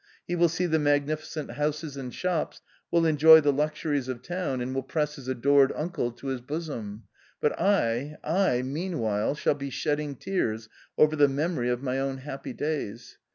he will see the magnificent houses and shops, will enjoy the luxuries of town, and will press his adored uncle to his bosom ; but I — I — meanwhile shall be shedding tears over the memory of my own happy days.